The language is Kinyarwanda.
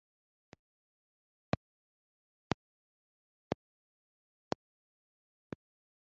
Ejo bundi arambwira ati: "Ejo nzaguriza iki gitabo."